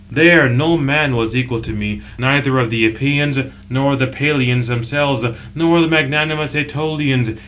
There no man was equal to me, neither of the Epeans, nor of the Pelians themselves, nor of the magnanimous Ætolians.